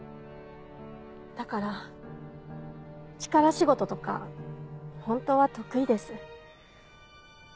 だから力仕事とかホントは得意です。